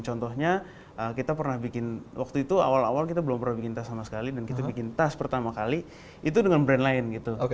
contohnya kita pernah bikin waktu itu awal awal kita belum pernah bikin tas sama sekali dan kita bikin tas pertama kali itu dengan brand lain gitu